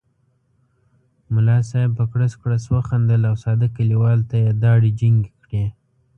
ملا صاحب په کړس کړس وخندل او ساده کلیوال ته یې داړې جینګې کړې.